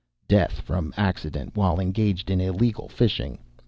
"Death from accident while engaged in illegal fishing."